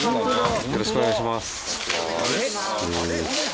よろしくお願いします。